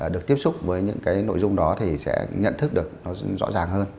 được tiếp xúc với những cái nội dung đó thì sẽ nhận thức được nó rõ ràng hơn